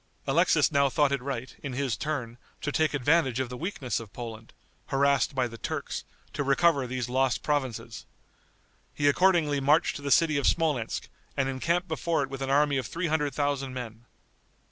Alexis now thought it right, in his turn, to take advantage of the weakness of Poland, harassed by the Turks, to recover these lost provinces. He accordingly marched to the city of Smolensk, and encamped before it with an army of three hundred thousand men.